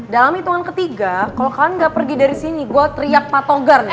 dalam hitungan ketiga kalo kalian nggak pergi dari sini gue teriak patogar nih